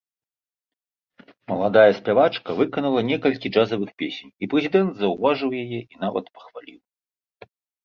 Маладая спявачка выканала некалькі джазавых песень, і прэзідэнт заўважыў яе і нават пахваліў.